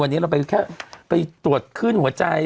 วันนี้เราไปแค่ไปตรวจขึ้นหัวใจ